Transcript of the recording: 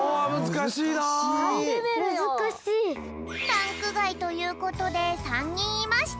ランクがいということで３にんいました。